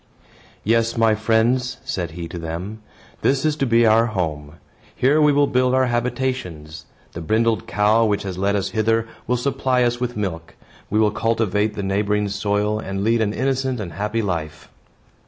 "Yes, my friends," said he to them, "this is to be our home. Here we will build our habitations. The brindled cow, which has led us hither, will supply us with milk. We will cultivate the neighboring soil and lead an innocent and happy life."